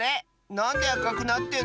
なんであかくなってんの？